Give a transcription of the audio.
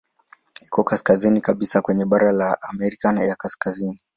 Iko kaskazini kabisa kwenye bara la Amerika ya Kaskazini.